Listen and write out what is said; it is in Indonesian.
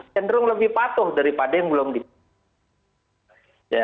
cenderung lebih patuh daripada yang belum dibangun